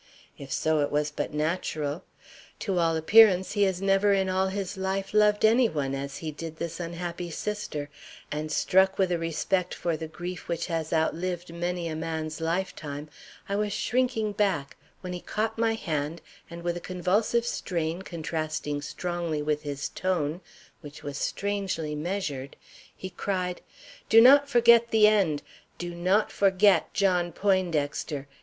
If so, it was but natural. To all appearance he has never in all his life loved any one as he did this unhappy sister; and struck with a respect for the grief which has outlived many a man's lifetime, I was shrinking back when he caught my hand, and with a convulsive strain, contrasting strongly with his tone, which was strangely measured, he cried, "Do not forget the end! Do not forget John Poindexter!